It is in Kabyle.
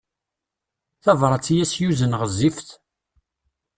Tabrat i as-yuzen ɣezzifet.